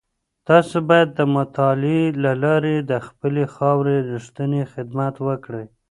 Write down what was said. تاسو بايد د مطالعې له لاري د خپلي خاوري رښتينی خدمت وکړئ.